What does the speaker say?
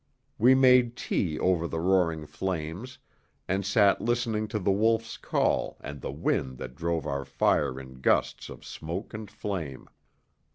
We made tea over the roaring flames, and sat listening to the wolf's call and the wind that drove our fire in gusts of smoke and flame.